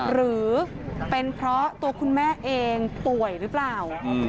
หรือเป็นเพราะตัวคุณแม่เองป่วยหรือเปล่า